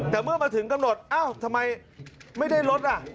แต่เมื่อมาถึงกำหนดอ้าวทำไมไม่ได้ลดอ่ะ